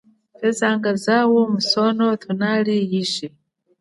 Thwezanga zawu musono thunali ishi.